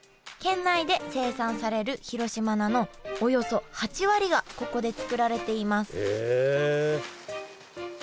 県内で生産される広島菜のおよそ８割がここで作られています